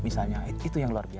itu yang luar biasa